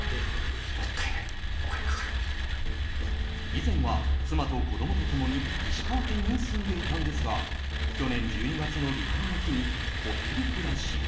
以前は、妻と子供と共に石川県に住んでいたんですが去年１２月の離婚を機にホテル暮らし。